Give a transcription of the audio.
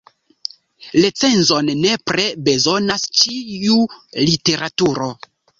Recenzon nepre bezonas ĉiu literaturo.